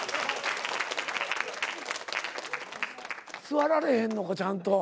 座られへんのかちゃんと。